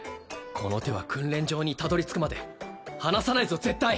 この手は訓練場にたどり着くまで離さないぞ絶対！